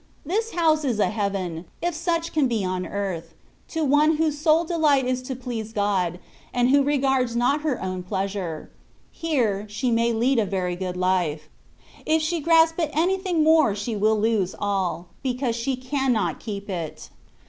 This house is a heaven, if such can be on earth, to one whose sole delight is to please God, and who regards not her own pleasure ; here^he may lead a very good life ; if she grasp at any anything more she will lose all^ F 66 THE WAY OP PERFECTION* because she cannot keep it.